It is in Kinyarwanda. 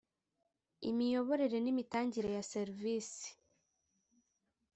imiyoborere n imitangire ya serivisi